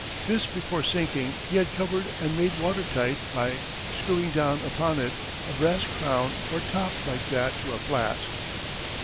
This before sinking he had covered and made water tight by screwing down upon it a brass crown or top like that to a flask.